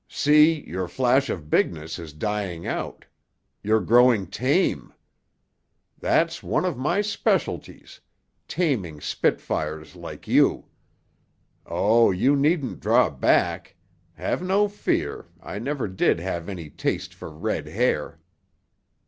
See; your flash of bigness is dying out. You're growing tame. That's one of my specialties—taming spitfires like you. Oh, you needn't draw back. Have no fear. I never did have any taste for red hair."